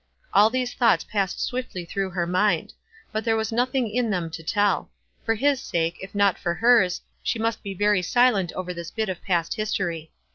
All these thoughts passed swiftly through her mind ; but there was nothing in them to tell. For his sake, if not for hers, she must be very silent over this bit of past history.